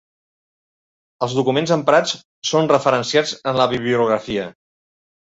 Els documents emprats són referenciats en la bibliografia.